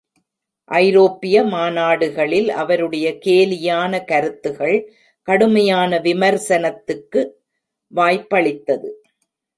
ஐரோப்பிய மாநாடுகளில் அவருடைய கேலியான கருத்துகள் கடுமையான விமர்சனத்துக்கு வாய்ப்பளித்தது.